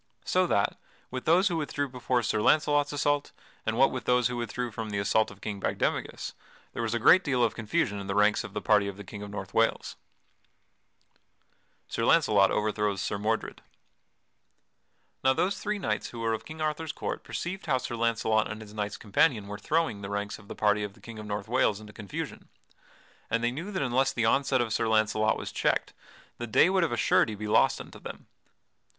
So, what with those who withdrew before Sir Launcelot's assault, and what with those who withdrew from the assault of King Bagdemagus, there was a great deal of confusion in the ranks of the party of the King of North Wales. [Sidenote: Sir Launcelot overthrows Sir Mordred] Now those three knights who were of King Arthur's court perceived how Sir Launcelot and his knights companion were throwing the ranks of the party of the King of North Wales into confusion, and they knew that unless the onset of Sir Launcelot was checked, the day would of a surety be lost unto them.